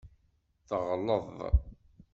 Teɣleḍ.